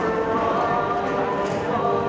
ขอบคุณทุกคนมากครับที่ทุกคนรัก